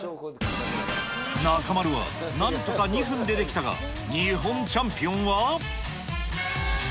中丸はなんとか２分でできたが、日本チャンピオンは。